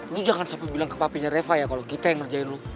lu jangan sampai bilang ke papinya reva ya kalau kita yang ngerjain lu